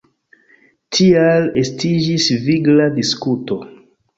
Tial estiĝis vigla diskuto.